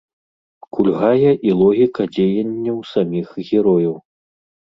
Кульгае і логіка дзеянняў саміх герояў.